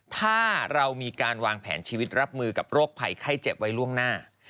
ถ้าเรามีการวางแผนชีวิตรับมือกับโรคภัยไข้เจ็บไว้ล่วงหน้า